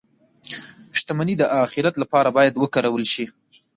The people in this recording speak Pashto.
• شتمني د آخرت لپاره باید وکارول شي.